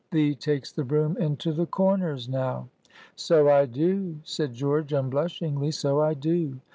"Thee takes the broom into the corners now." "So I do," said George, unblushingly, "so I do.